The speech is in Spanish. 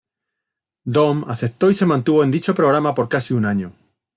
Don aceptó y se mantuvo en dicho programa por casi un año.